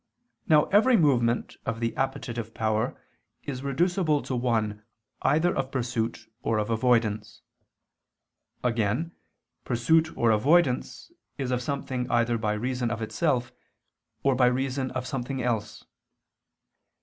Now every movement of the appetitive power is reducible to one either of pursuit or of avoidance. Again, pursuit or avoidance is of something either by reason of itself or by reason of something else.